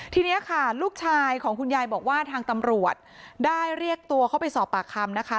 ทีนี้ค่ะลูกชายของคุณยายบอกว่าทางตำรวจได้เรียกตัวเข้าไปสอบปากคำนะคะ